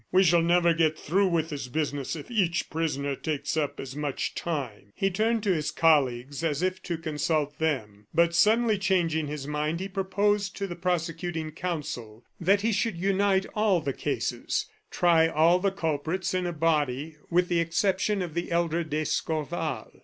We shall never get through with this business if each prisoner takes up as much time!" He turned to his colleagues as if to consult them, but suddenly changing his mind he proposed to the prosecuting counsel that he should unite all the cases, try all the culprits in a body, with the exception of the elder d'Escorval.